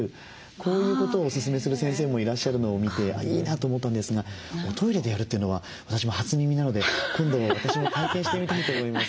こういうことをおすすめする先生もいらっしゃるのを見ていいなと思ったんですがおトイレでやるというのは私も初耳なので今度私も体験してみたいと思います。